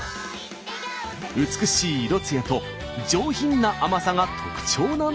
美しい色つやと上品な甘さが特徴なんだとか。